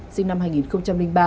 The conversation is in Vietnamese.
sinh năm hai nghìn ba